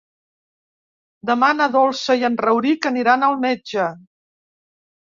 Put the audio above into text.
Demà na Dolça i en Rauric aniran al metge.